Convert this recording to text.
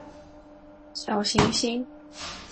小行星